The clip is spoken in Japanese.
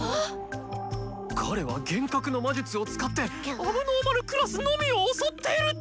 彼は幻覚の魔術を使って問題児クラスのみを襲っていると。